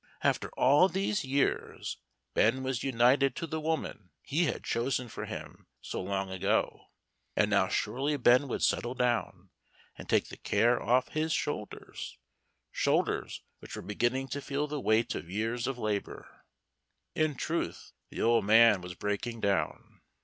After all these years Ben was united to the woman he had chosen for him so long ago, and now surely Ben would settle down, and take the care off his shoulders shoulders which were beginning to feel the weight of years of labor. In truth, the old man was breaking down.